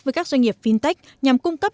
với các doanh nghiệp fintech nhằm cung cấp